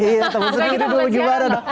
iya teman teman dulu juga ada